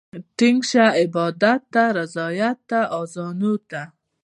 ټينګ شه عبادت ته، رياضت ته، اذانونو ته